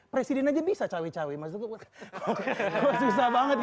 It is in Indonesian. presiden aja bisa cawi cawi maksudnya kok susah banget kita nyari cawapres